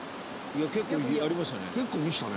「結構やりましたね」